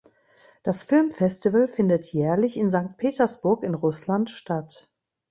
Das Filmfestival findet jährlich in Sankt Petersburg in Russland statt.